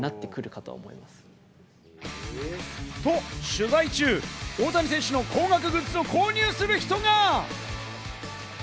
取材中、大谷選手の高額グッズを購入する人が！